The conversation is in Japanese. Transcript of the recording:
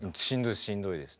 しんどいです。